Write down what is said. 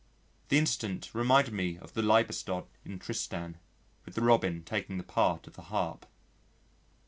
The incident reminded me of the Liebestod in "Tristan," with the Robin taking the part of the harp.